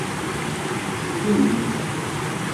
Srin-t.